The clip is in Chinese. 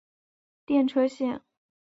电车线。